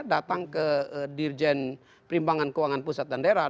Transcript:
datang ke dirjen perimbangan keuangan pusat dan daerah